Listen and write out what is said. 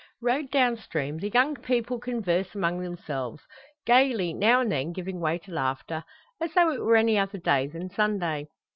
Rowed down stream, the young people converse among themselves; gaily, now and then giving way to laughter, as though it were any other day than Sunday.